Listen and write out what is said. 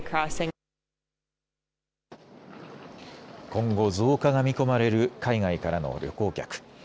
今後、増加が見込まれる海外からの旅行客。